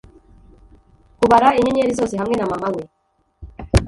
kubara inyenyeri zose hamwe na mama we